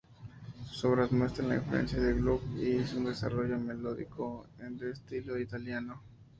Sus obras muestran la influencia de Gluck y un desarrollo melódico de estilo italiano.